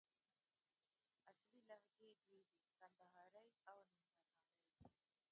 اصلي لهجې دوې دي: کندهارۍ او ننګرهارۍ